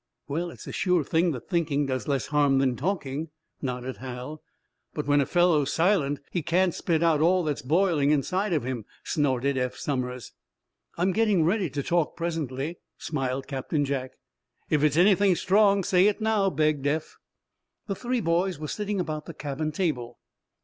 "Well, it's a sure thing that thinking does less harm than talking," nodded Hal. "But when a fellow's silent he can't spit out all that's boiling inside of him," snorted Eph Somers. "I'm getting ready to talk presently," smiled Captain Jack. "If it's anything strong, say it now," begged Eph. The three boys were sitting about the cabin table.